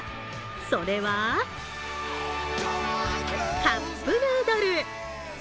それは、カップヌードル。